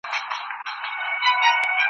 ما پلونه د اغیار دي پر کوڅه د یار لیدلي ,